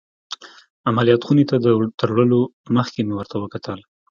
عمليات خونې ته تر وړلو مخکې مې ورته وکتل.